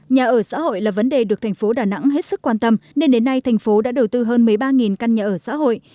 nhà ở xã hội là vấn đề được thành phố đà nẵng hết sức quan tâm nên đến nay thành phố đã đầu tư hơn một mươi ba căn nhà ở xã hội